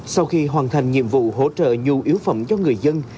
sau khi hoàn thành nhiệm vụ hỗ trợ nhu yếu phẩm cho người dân